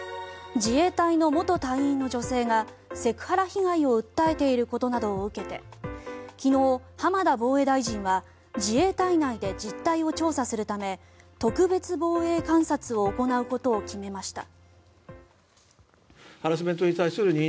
自衛隊の元隊員の女性がセクハラ被害を訴えていることなどを受けて昨日、浜田防衛大臣は自衛隊内で実態を調査するため特別防衛監察を行うことを決めました。